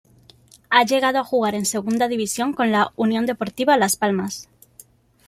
Ha llegado a jugar en Segunda División con la U. D. Las Palmas.